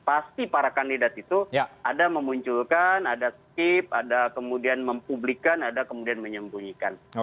pasti para kandidat itu ada memunculkan ada skip ada kemudian mempublikan ada kemudian menyembunyikan